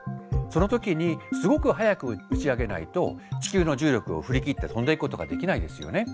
その時にすごく速く打ち上げないと地球の重力を振り切って飛んでいくことができないですよね。